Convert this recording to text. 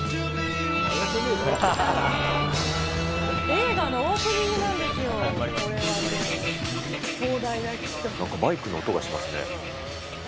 映画のオープニングなんですなんかバイクの音がしますね。